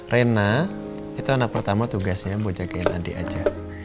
rena itu anak pertama tugasnya mau jagain adik aja